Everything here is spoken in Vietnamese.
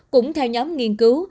cũng theo nhóm nghiên cứu